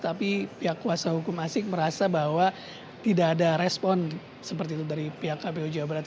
tapi pihak kuasa hukum asik merasa bahwa tidak ada respon seperti itu dari pihak kpu jawa barat